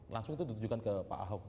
langsung itu ditujukan ke pak ahok